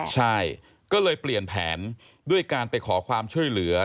ใช่ก็เลยเปลี่ยนแผนด้วยการไปขอความช่วยเหลือ